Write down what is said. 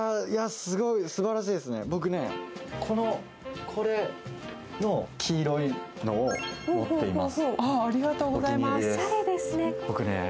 すばらしいですね、僕ね、これの黄色いのを持っています。